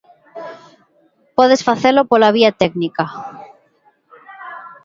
Podes facelo pola vía técnica.